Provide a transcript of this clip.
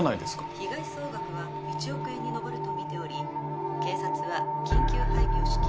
被害総額は１億円に上ると見ており警察は緊急配備を敷き